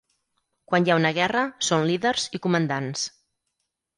Quan hi ha una guerra, són líders i comandants.